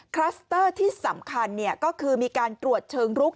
คลัสเตอร์ที่สำคัญก็คือมีการตรวจเชิงรุก